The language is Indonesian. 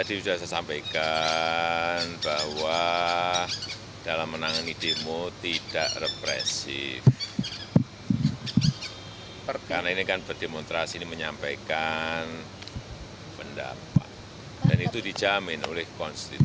ini terus berulang pak